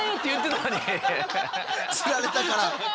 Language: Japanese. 釣られたから。